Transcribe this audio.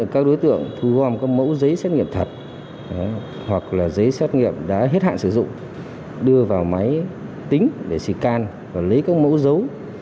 các đối tượng thu gom các mẫu giấy xét nghiệm thật hoặc là giấy xét nghiệm đã hết hạn sử dụng đưa vào máy tính để xịt can và lấy các mẫu dấu